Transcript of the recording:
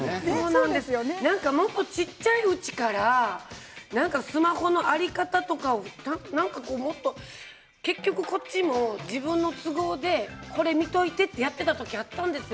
もっと小っちゃいうちからスマホの在り方とかをもっとこっちも自分の都合でこれを見ておいてとやってる時だったんですよ